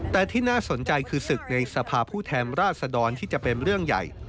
แต่ที่น่าสนใจคือศึกในสภาพผู้แทนราชดรที่จะเป็นเรื่องใหญ่